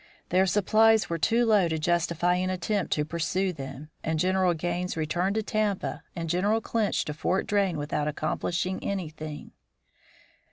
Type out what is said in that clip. Their supplies were too low to justify an attempt to pursue them, and General Gaines returned to Tampa and General Clinch to Fort Drane without accomplishing anything.